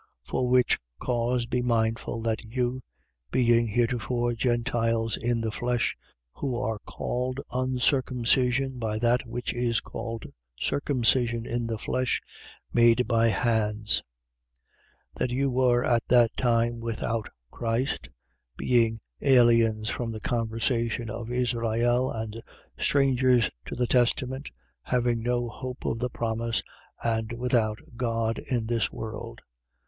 2:11. For which cause be mindful that you, being heretofore gentiles is the flesh, who are called uncircumcision by that which is called circumcision in the flesh, made by hands: 2:12. That you were at that time without Christ, being aliens from the conversation of Israel and strangers to the testament, having no hope of the promise and without God in this world.